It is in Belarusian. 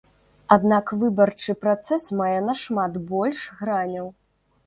Аднак выбарчы працэс мае нашмат больш граняў.